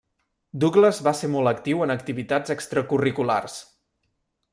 Douglas va ser molt actiu en activitats extracurriculars.